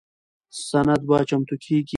سند به چمتو کیږي.